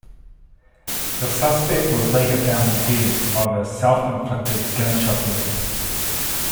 The suspect was later found dead of a self-inflicted gunshot wound.